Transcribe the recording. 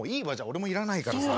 俺もいらないからさ。